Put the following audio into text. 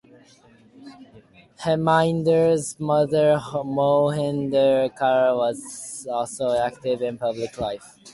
Heminder's mother Mohinder Kaur was also active in public life.